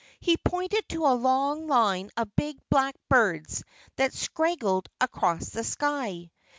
He pointed to a long line of big black birds that straggled across the sky.